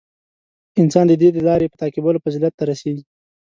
• انسان د دې د لارې په تعقیبولو فضیلت ته رسېږي.